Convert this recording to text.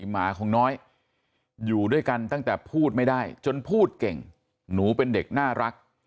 หมาของน้อยอยู่ด้วยกันตั้งแต่พูดไม่ได้จนพูดเก่งหนูเป็นเด็กน่ารัก